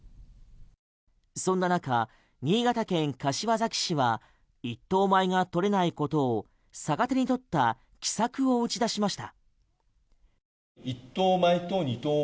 そんな中、新潟県柏崎市は一等米が取れないことを逆手に取った奇策を打ち出しました。